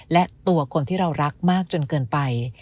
และตัวคนที่เรารักมากจนเกินไป